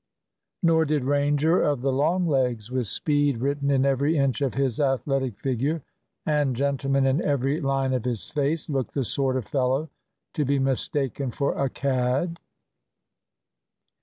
Nor did Ranger, of the long legs, with speed written in every inch of his athletic figure, and gentleman in every line of his face, look the sort of fellow to be mistaken for a cad.